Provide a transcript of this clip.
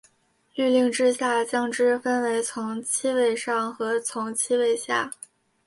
律令制下将之分为从七位上和从七位下。